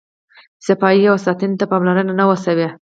صفایي او ساتنې ته پاملرنه نه وه شوې.